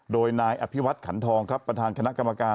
โดยนายอภิวัตขันทองครับประธานคณะกรรมการ